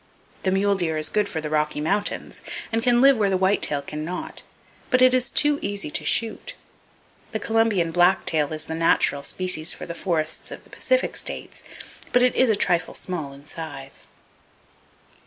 The mule deer is good for the Rocky Mountains, and can live where the white tail can not; but it is too easy to shoot! The Columbian black tail is the natural species for the forests of the Pacific states; but it is a trifle small in size.